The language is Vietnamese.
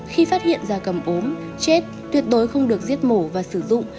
khi phát hiện da cầm ốm chết tuyệt đối không được giết mổ và sử dụng